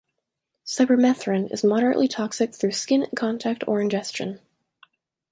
Cypermethrin is moderately toxic through skin contact or ingestion.